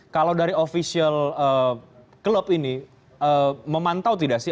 kalau dari official club ini memantau tidak sih